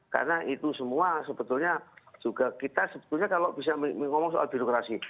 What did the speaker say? karena itu semua sebetulnya juga kita sebetulnya kalau bisa mengomong soal birokrasi